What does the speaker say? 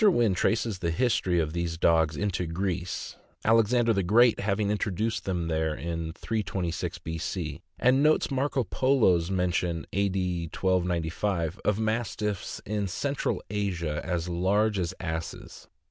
Wynn traces the history of these dogs into Greece, Alexander the Great having introduced them there in 326 B. C., and notes Marco Polo's men tion (A. D. 1295) of Mastiffs in Central Asia as large as asses.